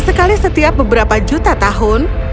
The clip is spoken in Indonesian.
sekali setiap beberapa juta tahun